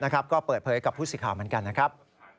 ก็เปิดเผยกับผู้สิทธิ์ข่าวเหมือนกันนะครับ